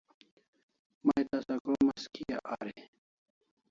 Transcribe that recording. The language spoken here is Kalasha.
May tasa kromas kia ari?